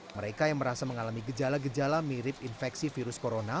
mereka yang merasa mengalami gejala gejala mirip infeksi virus corona